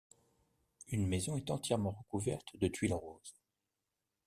Une maison est entièrement recouverte de tuiles roses.